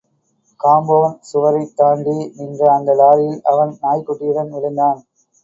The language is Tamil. காம்பவுண்ட் கவரைத் தாண்டி நின்ற அந்த லாரியில் அவன் நாய்க்குட்டியுடன் விழுந்தான்.